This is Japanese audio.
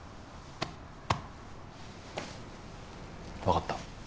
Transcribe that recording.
わかった。